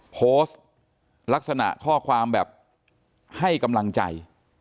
โพสต์ลักษณะข้อความแบบให้กำลังใจ